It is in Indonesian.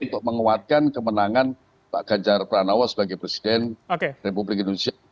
untuk menguatkan kemenangan pak ganjar pranowo sebagai presiden republik indonesia